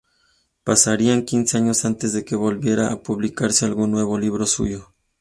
Pasarían quince años antes de que volviera a publicarse algún nuevo libro suyo.